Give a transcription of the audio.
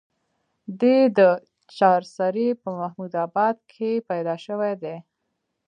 دے د چارسرې پۀ محمود اباد کلي کښې پېدا شوے دے